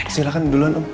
silahkan duluan om